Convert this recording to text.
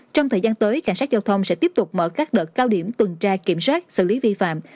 trong thời gian tới cảnh sát giao thông sẽ tiếp tục mở các đợt cao điểm tuần tra kiểm soát xử lý vi phạm